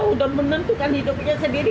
untuk menentukan hidupnya sendiri